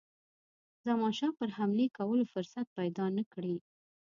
زمانشاه پر حملې کولو فرصت پیدا نه کړي.